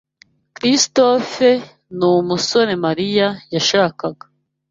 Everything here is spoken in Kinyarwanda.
Christopher numusore Mariya yashakaga.